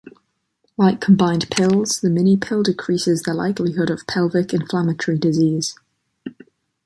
Like combined pills, the minipill decreases the likelihood of pelvic inflammatory disease.